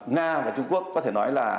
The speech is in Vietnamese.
nga và trung quốc có thể nói là